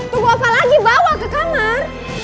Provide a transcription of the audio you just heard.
dibawa apa lagi bawa ke kamar